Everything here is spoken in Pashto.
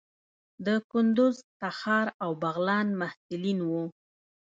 د کندوز، تخار او بغلان محصلین وو.